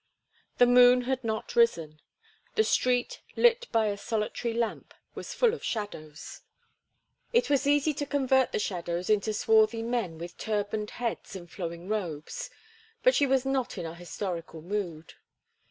The moon had not risen; the street, lit by a solitary lamp, was full of shadows. It was easy to convert the shadows into swarthy men with turbaned heads and flowing robes, but she was not in a historical mood.